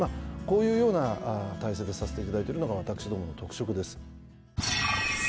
こういうような体制でさせていただいてるのが私どもの特色です。